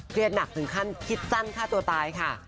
หนักถึงขั้นคิดสั้นฆ่าตัวตายค่ะ